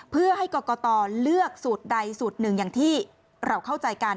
เพื่อให้กรกตเลือกสูตรใดสูตรหนึ่งอย่างที่เราเข้าใจกัน